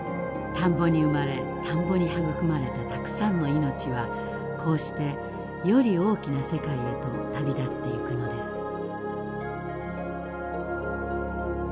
田んぼに生まれ田んぼにはぐくまれたたくさんの命はこうしてより大きな世界へと旅立っていくのです。